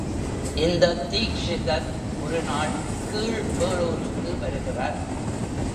இந்த தீக்ஷிதர் ஒருநாள் கீழ் வேளூருக்கு வருகிறார்.